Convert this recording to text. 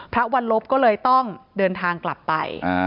วันลบก็เลยต้องเดินทางกลับไป